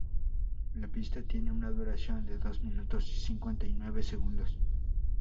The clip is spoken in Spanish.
La pista tiene una duración de dos minutos y cincuenta y nueve segundos.